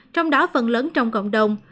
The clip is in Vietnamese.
trong đó phần lớn trong cộng đồng